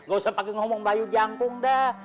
gak usah pake ngomong melayu jangkung dah